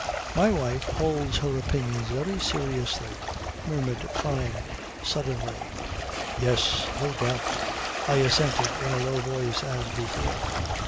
"My wife holds her opinions very seriously," murmured Fyne suddenly. "Yes. No doubt," I assented in a low voice as before.